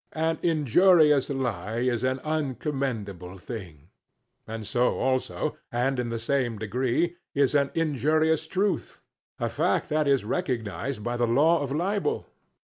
An injurious lie is an uncommendable thing; and so, also, and in the same degree, is an injurious truth a fact that is recognized by the law of libel.